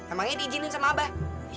emangnya di izinin sama abah